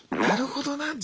なるほどな。